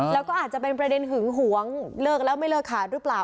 แล้วก็อาจจะเป็นประเด็นหึงหวงเลิกแล้วไม่เลิกขาดหรือเปล่า